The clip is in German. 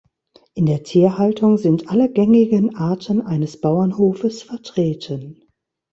In der Tierhaltung sind alle gängigen Arten eines Bauernhofes vertreten.